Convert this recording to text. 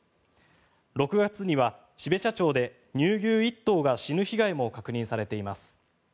６月には標茶町で乳牛１頭が死ぬ被害も確認されています。